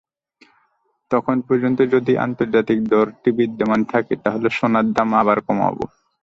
তখন পর্যন্ত যদি আন্তর্জাতিক দরটি বিদ্যমান থাকে, তাহলে সোনার দাম আবার কমাব।